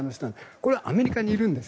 これ、アメリカにいるんです。